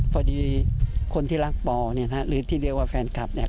พอดีคนที่รักปอเนี่ยนะฮะหรือที่เรียกว่าแฟนคลับเนี่ย